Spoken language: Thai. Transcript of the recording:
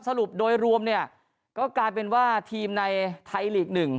สรุปโดยรวมเนี่ยก็กลายเป็นว่าทีมในไทยลีก๑